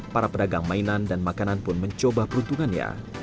para pedagang mainan dan makanan pun mencoba peruntungannya